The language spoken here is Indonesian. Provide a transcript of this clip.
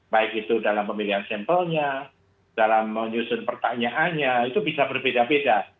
baik itu dalam pemilihan sampelnya dalam menyusun pertanyaannya itu bisa berbeda beda